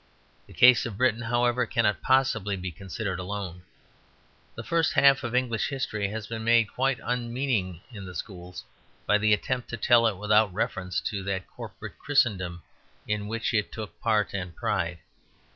The case of Britain, however, cannot possibly be considered alone. The first half of English history has been made quite unmeaning in the schools by the attempt to tell it without reference to that corporate Christendom in which it took part and pride.